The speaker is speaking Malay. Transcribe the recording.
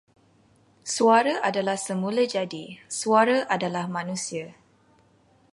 Suara adalah semulajadi, suara adalah manusia.